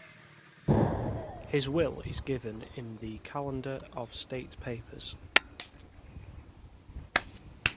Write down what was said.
His will is given in the "Calendar of State Papers".